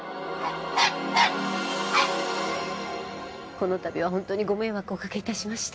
この度は本当にご迷惑をおかけいたしました。